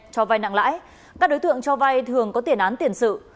cho vai nặng lãi các đối tượng cho vay thường có tiền án tiền sự